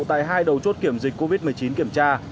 tại hai đầu chốt kiểm dịch covid một mươi chín kiểm tra